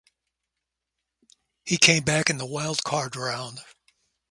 He came back in the wildcard round.